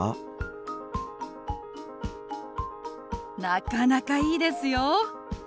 なかなかいいですよ。